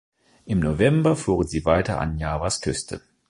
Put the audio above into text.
Im November fuhren sie weiter an Javas Küste.